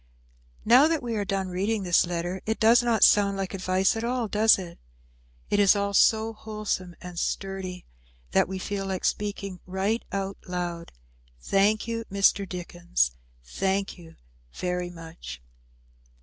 Now that we are done reading this letter it does not sound like advice at all, does it. It is all so wholesome and sturdy that we feel like speaking right out loud, "Thank you, Mr. Dickens, thank you very much."